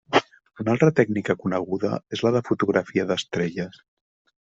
Una altra tècnica coneguda és la de fotografia d'estrelles.